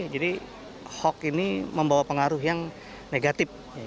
jadi hoaks ini membawa pengaruh yang negatif